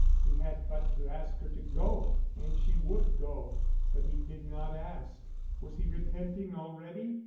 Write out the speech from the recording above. He had but to ask her to go and she would go. But he did not ask. Was he repenting already?